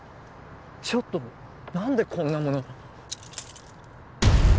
ちょっと何でこんなもの